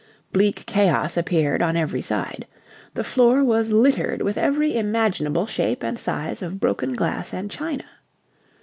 Bleak chaos appeared on every side. The floor was littered with every imaginable shape and size of broken glass and china.